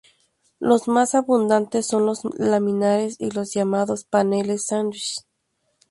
Los más abundantes son los laminares y los llamados "paneles sándwich".